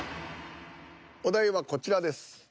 お題はこちらです。